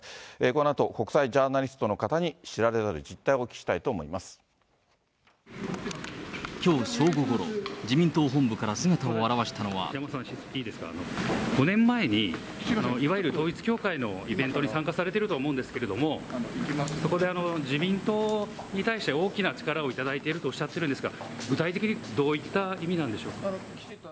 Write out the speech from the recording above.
このあと国際ジャーナリストの方に知られざる実態をお聞きしたいきょう正午ごろ、５年前に、いわゆる統一教会のイベントに参加されてると思うんですけれども、そこで自民党に対して大きな力を頂いているとおっしゃってるんですが、具体的にどういった意味なんでしょうか。